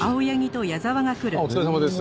ああお疲れさまです。